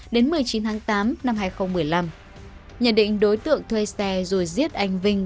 đến một mươi chín tháng tám năm hai nghìn một mươi năm nhận định đối tượng thuê xe rồi giết anh vinh